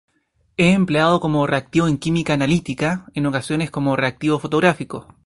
Es empleado como reactivo en química analítica, en ocasiones como reactivo fotográfico.